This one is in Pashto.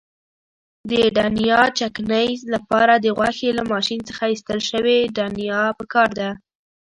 د دڼیا چکنۍ لپاره د غوښې له ماشین څخه ایستل شوې دڼیا پکار ده.